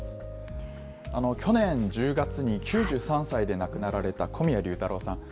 去年１０月に９３歳で亡くなられた小宮隆太郎さん。